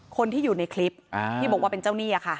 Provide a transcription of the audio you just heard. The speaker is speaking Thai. คนที่อยู่ในคลิปพี่บอกว่าไม่ใช่ว่าเจ้าหนี้